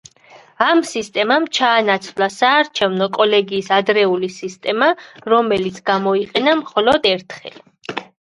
ამ სისტემამ ჩაანაცვლა საარჩევნო კოლეგიის ადრეული სისტემა, რომელიც გამოიყენა მხოლოდ ერთხელ.